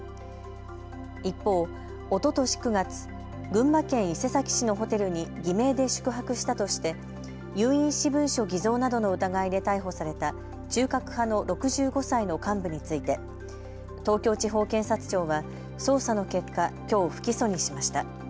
一方、おととし９月、群馬県伊勢崎市のホテルに偽名で宿泊したとして有印私文書偽造などの疑いで逮捕された中核派の６５歳の幹部について東京地方検察庁は捜査の結果、きょう不起訴にしました。